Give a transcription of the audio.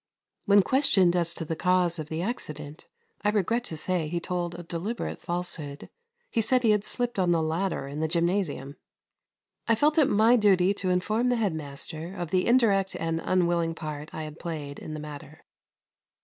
When questioned as to the cause of the accident I regret to say he told a deliberate falsehood. He said he had slipped on the ladder in the gymnasium. I felt it my duty to inform the head master of the indirect and unwilling part I had played in the matter.